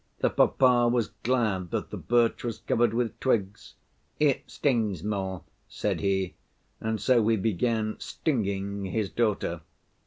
The papa was glad that the birch was covered with twigs. 'It stings more,' said he, and so he began stinging his daughter.